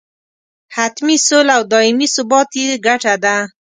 حتمي سوله او دایمي ثبات یې ګټه ده.